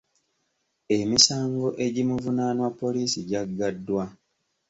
Emisango egimuvunaanwa poliisi gyagaddwa.